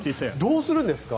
どうするんですか？